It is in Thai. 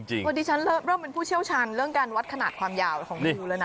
ดิฉันเริ่มเป็นผู้เชี่ยวชันเรื่องการวัดขนาดความยาวของงูเลยนะ